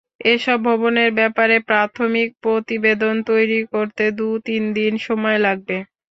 এসব ভবনের ব্যাপারে প্রাথমিক প্রতিবেদন তৈরি করতে দু-তিন দিন সময় লাগবে।